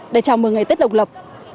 để chào mừng ngày tết độc lập